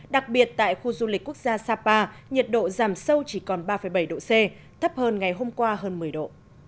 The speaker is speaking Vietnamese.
đặc biệt tại khu du lịch quốc gia sapa nhiệt độ giảm sâu chỉ còn ba bảy độ c thấp hơn ngày hôm qua hơn một mươi độ